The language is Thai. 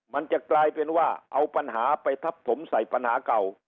มันจะกลายเป็นว่าเอาปัญหาไปทับถมใส่ปัญหาเก่า